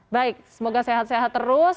baik semoga sehat sehat terus